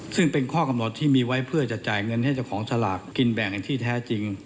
ซึ่งเป็นข้อกำหนดที่มีไว้เพื่อจะจ่ายเงินให้เจ้าของสลากกินแบ่งอย่างที่แท้จริง